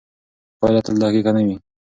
پایله تل دقیقه نه وي.